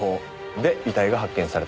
で遺体が発見されたと。